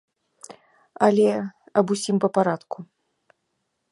Але аб усім па парадку.